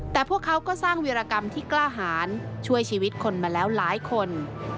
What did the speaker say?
แต่พวกเขาก็สร้างวีรกรรมที่กล้าหารช่วยชีวิตคนมาแล้วหลายคน